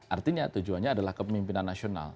artinya tujuannya adalah kepemimpinan nasional